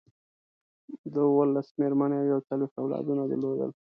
ده اوولس مېرمنې او یو څلویښت اولادونه درلودل.